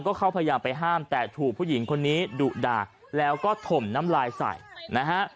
ก็เข้าพยายามไปห้ามแต่ถูกผู้หญิงคนนี้ดุด่าแล้วก็ถมน้ำลายใส่นะฮะ